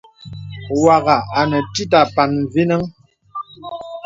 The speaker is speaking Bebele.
Wàghà anə tìt àpàn mvinəŋ.